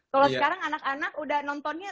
kalau sekarang anak anak udah nontonnya